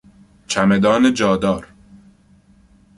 چمدان جادار